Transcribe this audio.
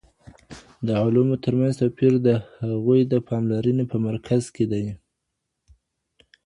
د علومو ترمنځ توپير د هغوی د پاملرني په مرکز کي دی.